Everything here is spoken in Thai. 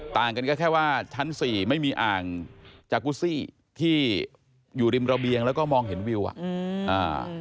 ต่างกันก็แค่ว่าชั้นสี่ไม่มีอ่างจากุซี่ที่อยู่ริมระเบียงแล้วก็มองเห็นวิวอ่ะอืมอ่า